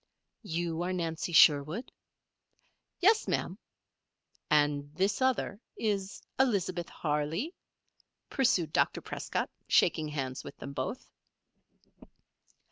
"You are Nancy Sherwood?" "Yes, Ma'am." "And this other is Elizabeth Harley?" pursued Dr. Prescott, shaking hands with them both.